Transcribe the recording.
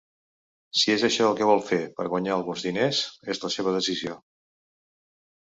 Si és això el que vol fer per guanyar alguns diners, és la seva decisió.